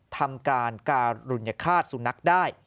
ทำการการุญฆาตสุนัขได้